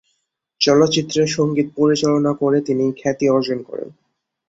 চলচ্চিত্রের সঙ্গীত পরিচালনা করে তিনি খ্যাতি অর্জন করেন।